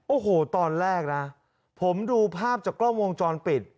โอ้โหตอนแรกนะผมดูภาพจากกล้องวงจรปิด